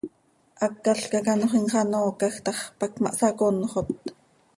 Hácalca quih anxö imxanoocaj tax, pac ma hsaconxot.